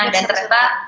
dan terserah seru ya